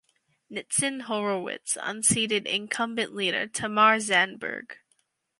Nitzan Horowitz unseated incumbent leader Tamar Zandberg.